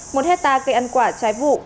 một hectare cây ăn quả trái vụ